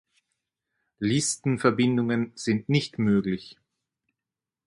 Listenverbindungen sind nicht möglich.